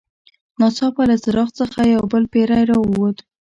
ناڅاپه له څراغ څخه یو بل پیری راووت.